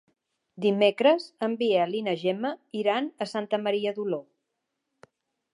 Dimecres en Biel i na Gemma iran a Santa Maria d'Oló.